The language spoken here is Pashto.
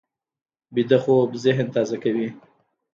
ویده خوب ذهن تازه کوي